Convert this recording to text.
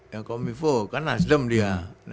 ya kominfo kan nasdem dia